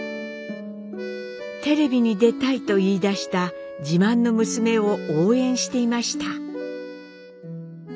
「テレビに出たい」と言いだした自慢の娘を応援していました。